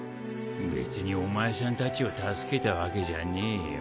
別にお前さんたちを助けたわけじゃねえよ。